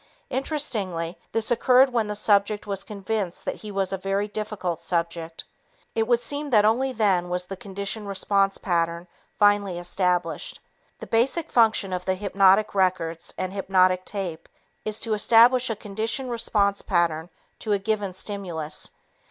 Interestingly, this occurred when the subject was convinced that he was a very difficult subject. It would seem that only then was the conditioned response pattern finally established. The basic function of the hypnotic records and hypnotic tape is to establish a conditioned response pattern to a given stimulus.